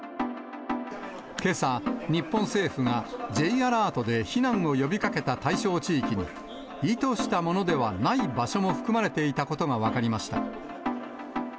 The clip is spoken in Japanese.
けさ、日本政府がＪアラートで避難を呼びかけた対象地域に、意図したものではない場所も含まれていたことが分かりました。